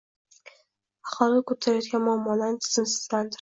Aholi koʻtarayotgan muammolarni tizimlashtirib